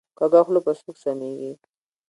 کږه خوله په سوک سمیږي